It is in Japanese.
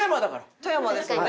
富山ですよね。